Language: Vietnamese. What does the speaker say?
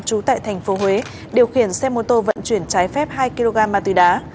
trú tại tp huế điều khiển xe mô tô vận chuyển trái phép hai kg ma túy đá